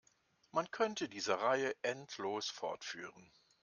Man könnte diese Reihe endlos fortführen.